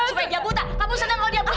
supaya dia buta kamu seneng kalo dia buta kan